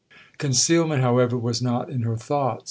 'Concealment, however, was not in her thoughts.